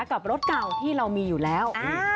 กับรถเก่าที่เรามีอยู่แล้ว